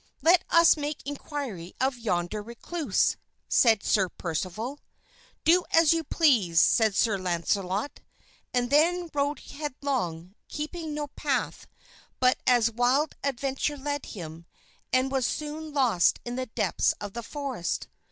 "Let us make inquiry of yonder recluse," said Sir Percival. "Do as you please," said Sir Launcelot; and then rode headlong, keeping no path, but as wild adventure led him, and was soon lost in the depths of the forest.